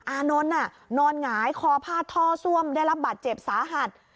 อานนท์นอนหงายคอพาดท่อซ่วมได้รับบาดเจ็บสาหัส